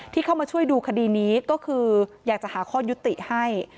ที่เข้ามาช่วยดูคดีนี้ก็คืออยากจะหาข้อยุติให้